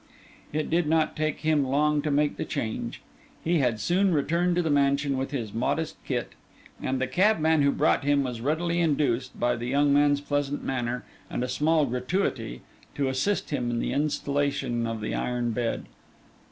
It did not take him long to make the change: he had soon returned to the mansion with his modest kit; and the cabman who brought him was readily induced, by the young man's pleasant manner and a small gratuity, to assist him in the installation of the iron bed.